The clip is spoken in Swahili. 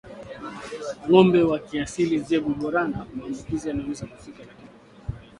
Ngombe wa kiasili Zebu Borana maambukizi yanaweza kufika lakini kwa kawaida